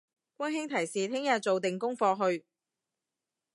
溫馨提示聽日做定功課去！